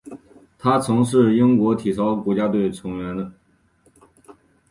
他曾经是英国体操国家队的成员。